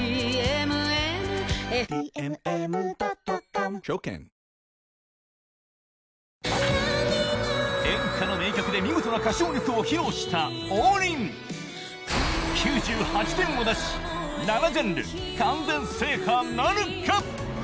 果たして⁉「演歌」の名曲で見事な歌唱力を披露した王林９８点を出し７ジャンル完全制覇なるか？